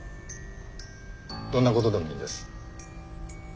どんな事でもいいです。